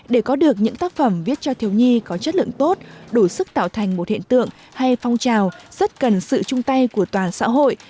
để có được những tác phẩm viết cho thiếu nhi có chất lượng tốt đủ sức tạo thành một hiện tượng hay phong trào rất cần sự chung tay của toàn xã hội